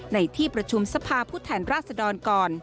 ในที่ประชุมสภาพุทธแห่งราษดรก่อน